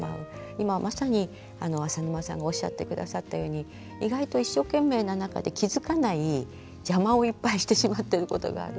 今まさに浅沼さんがおっしゃって下さったように意外と一生懸命な中で気付かない邪魔をいっぱいしてしまっていることがある。